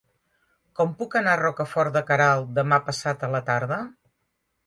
Com puc anar a Rocafort de Queralt demà passat a la tarda?